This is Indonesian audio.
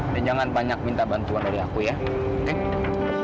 dan jangan banyak minta bantuan dari aku ya oke